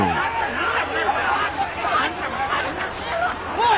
おい！